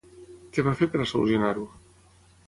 Què va fer per a solucionar-ho?